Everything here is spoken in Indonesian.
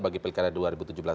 bagi pilkada dua ribu tujuh belas